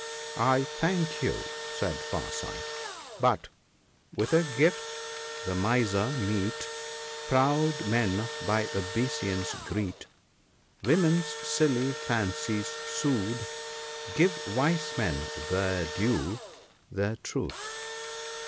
' I thank you,' said Far sight ;' but —" With a gift the miser meet ; Proud men by obeisance greet ; Women's silly fancies soothe ; Give wise men their due — the truth."